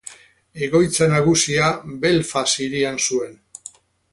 Egoitza nagusia Belfast hirian zuen.